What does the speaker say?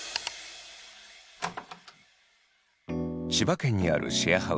千葉県にあるシェアハウス。